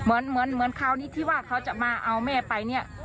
เหมือนเหมือนคราวนี้ที่ว่าเขาจะมาเอาแม่ไปเนี่ย